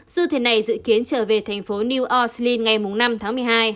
du thuyền này dự kiến trở về thành phố new yorklin ngày năm tháng một mươi hai